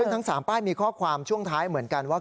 ทั้ง๓ป้ายมีข้อความช่วงท้ายเหมือนกันว่า